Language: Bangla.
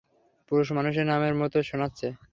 পুরুষ মানুষের নামের মতো শোনাচ্ছে।